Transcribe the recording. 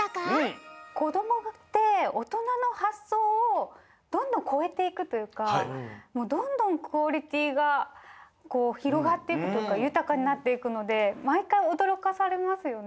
こどもっておとなのはっそうをどんどんこえていくというかもうどんどんクオリティーがこうひろがっていくというかゆたかになっていくのでまいかいおどろかされますよね。